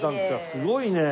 すごいね！